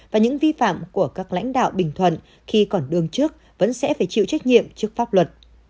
và những vi phạm của các lãnh đạo bình thuận khi còn đương trước vẫn sẽ phải chịu trách nhiệm trước pháp luật